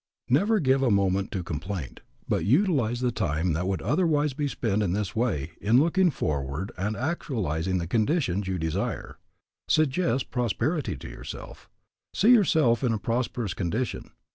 Never give a moment to complaint, but utilize the time that would otherwise be spent in this way in looking forward and actualizing the conditions you desire. Suggest prosperity to yourself. See yourself in a prosperous condition.